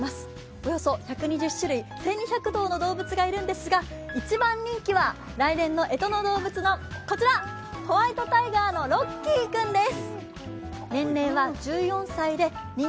およそ１２０種類１２００頭の動物がいるんですが一番人気は来年のえとの動物尾こちらホワイトタイガーのロッキー君です。